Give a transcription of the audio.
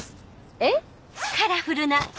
えっ？